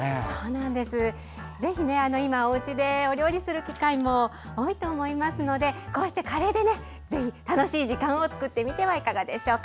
ぜひ、今おうちでお料理する機会も多いと思いますのでこうして、カレーでぜひ、楽しい時間を作ってみてはいかがでしょうか。